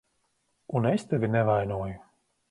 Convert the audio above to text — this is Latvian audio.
Un es tevi nevainoju.